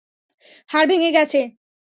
হাড় ভেঙে গেছে!